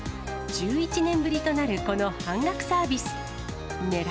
１１年ぶりとなるこの半額サービス。